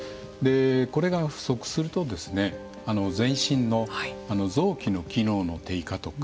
これが不足すると全身の臓器の機能の低下とか